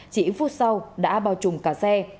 chỉ phút sau đã bao trùm cả xe